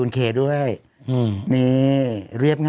มันเหมือนอ่ะ